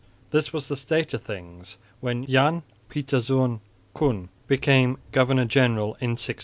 This was the state of things when Jan Pieterzoon Koen became governor general in 1615.